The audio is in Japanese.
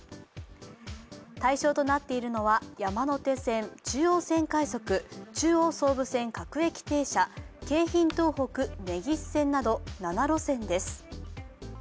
対象となっているのは山手線、中央線快速、中央・総武線各駅停車京浜東北・根岸線など７路線です。